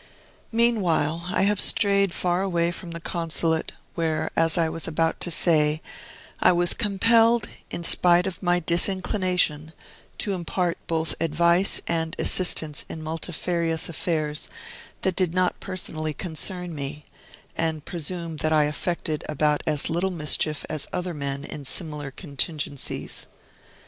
Meanwhile, I have strayed far away from the Consulate, where, as I was about to say, I was compelled, in spite of my disinclination, to impart both advice and assistance in multifarious affairs that did not personally concern me, and presume that I effected about as little mischief as other men in similar contingencies.